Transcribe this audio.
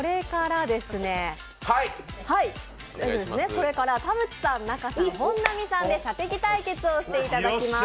これから田渕さん、仲さん、本並さんで射的対決をしていただきます。